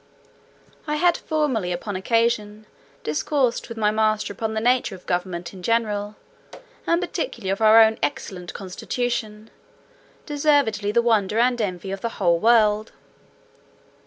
I had formerly, upon occasion, discoursed with my master upon the nature of government in general, and particularly of our own excellent constitution, deservedly the wonder and envy of the whole world.